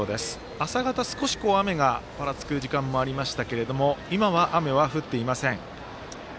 朝方、少し雨がぱらつく時間帯もありましたけど今は、雨は降っていません。